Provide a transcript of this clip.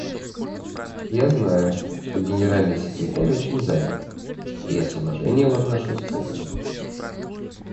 Я знаю, что Генеральный секретарь очень занят, и я с уважением отношусь к этому.